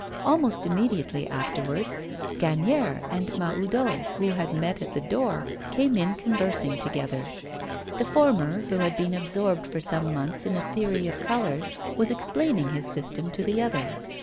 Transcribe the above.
Almost immediately afterwards Gagnière and Mahoudeau, who had met at the door, came in conversing together. The former, who had been absorbed for some months in a theory of colours, was explaining his system to the other.